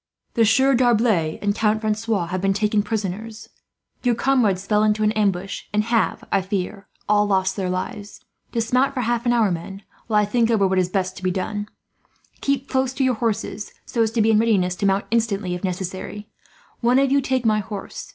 "The Sieur D'Arblay and Count Francois have been taken prisoners. Your comrades fell into an ambush, and have, I fear, all lost their lives. Dismount for half an hour, men, while I think over what is best to be done. Keep close to your horses, so as to be in readiness to mount instantly, if necessary. One of you take my horse.